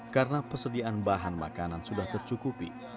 karena pesediaan bahan makanan sudah tercukupi